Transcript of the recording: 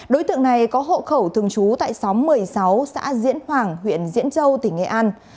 đối tượng này có hộ khẩu thường trú tại xóm một mươi sáu xã diễn hoàng huyện diễn châu tỉnh nghệ an